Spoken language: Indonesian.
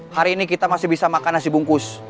hari ini kita masih bisa makan nasi bungkus